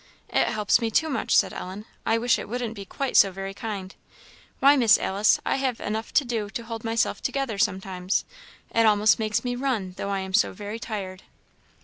"It helps me too much," said Ellen; "I wish it wouldn't be quite so very kind. Why, Miss Alice, I have enough to do to hold myself together, sometimes. It almost makes me run, though I am so very tired."